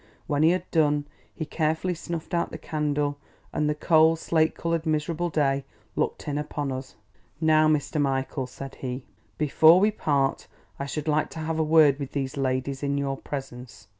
When he had done, he carefully snuffed out the candle; and the cold, slate coloured, miserable day looked in upon us. "Now, Mr. Michael," said he, "before we part, I should like to have a word with these ladies in your presence."